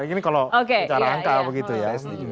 ini kalau cara angka begitu ya